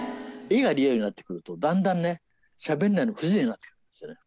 画がリアルになってくるとだんだんねしゃべらないの不自然になってくるんですよね。